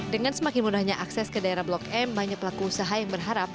dengan semakin mudahnya akses ke daerah blok m banyak pelaku usaha yang berharap